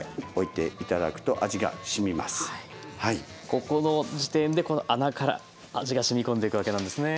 ここの時点でこの穴から味がしみこんでいくわけなんですね。